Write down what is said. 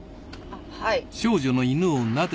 はい。